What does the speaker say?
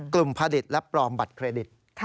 กลุ่มผลิตและปลอมบัติเครดิต